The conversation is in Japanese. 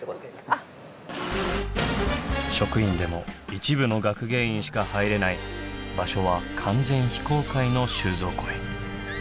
職員でも一部の学芸員しか入れない場所は完全非公開の収蔵庫へ。